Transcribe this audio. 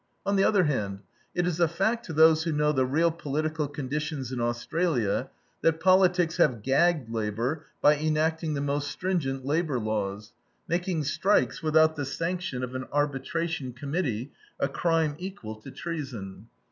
On the other hand, it is a fact to those who know the real political conditions in Australia, that politics have gagged labor by enacting the most stringent labor laws, making strikes without the sanction of an arbitration committee a crime equal to treason.